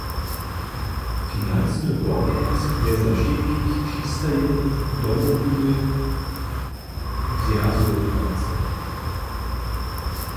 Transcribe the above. Financny porjad je za wšitkich přistajenych Domowiny zwjazowacy.